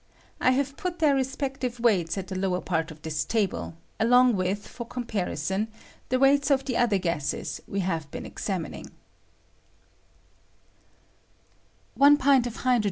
I have put their respect ive weights at the lower part of this tahle, along with, for comparison, the weights of the other gaaes we have been exanuning : PlDt.